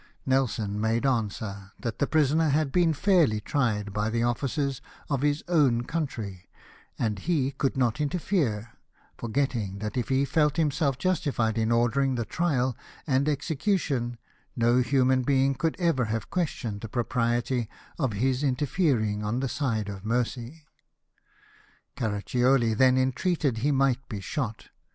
Nelson made answer that the prisoner had been fairly tried by the officers of his own country, and he could not interfere, for getting that if he felt himself justified in ordering the trial and the execution no human being could ever have questioned the propriety of his interfering on the side of mercy. Caraccioli then entreated that he might be shot.